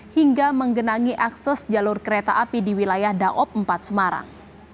hingga menggenangi akses jalur kereta api di wilayah daob empat semarang